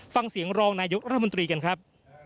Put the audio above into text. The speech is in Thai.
ฟังเสียงรองนายกรัฐมนตรีกันครับ